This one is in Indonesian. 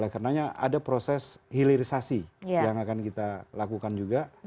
karena ada proses hilirisasi yang akan kita lakukan juga